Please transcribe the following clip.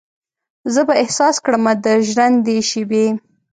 زه به احساس کړمه د ژرندې شیبې